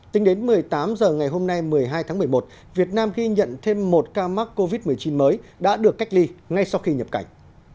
tính đến một mươi tám h ngày hôm nay một mươi hai tháng một mươi một việt nam ghi nhận thêm một ca mắc covid một mươi chín mới đã được cách ly ngay sau khi nhập cảnh